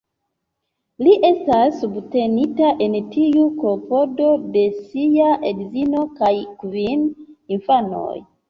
Li estas subtenita en tiu klopodo de sia edzino kaj kvin infanoj.